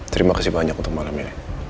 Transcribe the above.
terima kasih banyak untuk malam ini